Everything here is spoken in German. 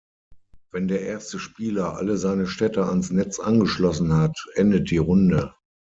Wenn der erste Spieler alle seine Städte ans Netz angeschlossen hat, endet die Runde.